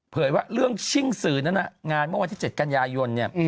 ว่าเรื่องชิ่งสื่อนั้นงานเมื่อวันที่๗กันยายนเนี่ย